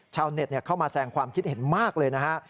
ชาวเน็ตเข้ามาแสงความคิดเห็นมากเลยนะฮะ